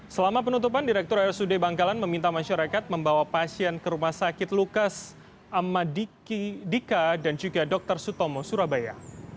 selama penutupan direktur rsud bangkalan meminta masyarakat membawa pasien ke rumah sakit lukas amadiki dika dan juga dr sutomo surabaya